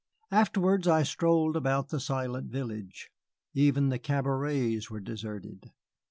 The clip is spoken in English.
Afterwards I strolled about the silent village. Even the cabarets were deserted.